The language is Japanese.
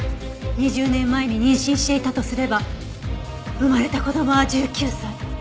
２０年前に妊娠していたとすれば生まれた子供は１９歳。